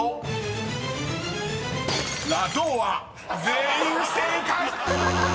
［全員不正解！］